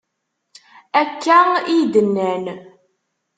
Akka iy-d-nnan.